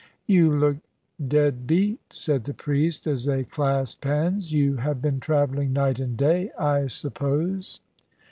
"You look dead beat," said the priest, as they clasped hands. "You have been travelling night and day, I suppose."